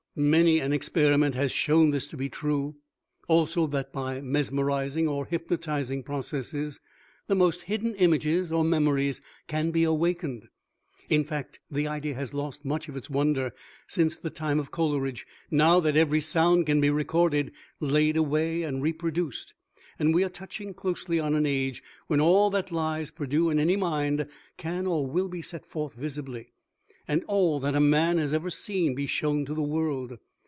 Many an experiment has shown this to be true; also that by mesmerizing or hypnotizing processes the most hidden images or memories can be awakened. In fact, the idea has lost much of its wonder since the time of Coleridge, now that every sound can be recorded, laid away and reproduced, and we are touching closely on an age when all that lies perdu in any mind can or will be set forth visibly, and all that a man has ever seen be shown to the world.